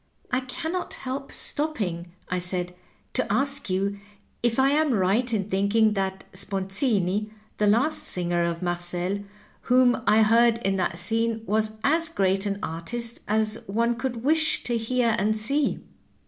" I can not help stopping," I said, " to ask you if I am right in thinking that Sponzini, the last singer of Marcel whom I heard in that scene, was as great an artist as one could wish to hear and see?"